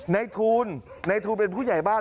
ในทูลในทูลเป็นผู้ใหญ่บ้าน